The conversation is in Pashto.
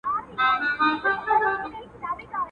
د لاس د گوتو تر منځ لاهم فرق سته.